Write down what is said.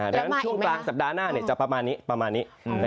ดังนั้นช่วงกลางสัปดาห์หน้าจะประมาณนี้